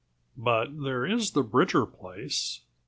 "But there is the Bridger place.